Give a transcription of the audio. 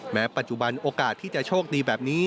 ปัจจุบันโอกาสที่จะโชคดีแบบนี้